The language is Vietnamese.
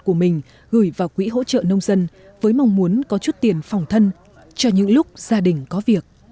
của mình gửi vào quỹ hỗ trợ nông dân với mong muốn có chút tiền phòng thân cho những lúc gia đình có việc